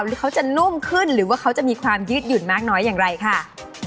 หรือเขาจะนุ่มขึ้นหรือว่าเขาจะมีความยืดหยุ่นมากน้อยอย่างไรค่ะ